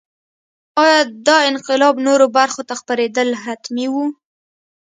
ایا دا انقلاب نورو برخو ته خپرېدل حتمي وو.